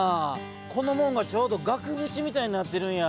この門がちょうど額ぶちみたいになってるんや。